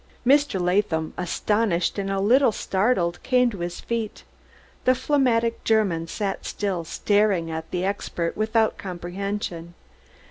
_" Mr. Latham, astonished and a little startled, came to his feet; the phlegmatic German sat still, staring at the expert without comprehension.